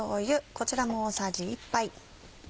こちらも大さじ１杯。